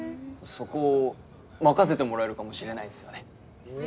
そこ任せてもらえるかもしれないんすよねおぉ！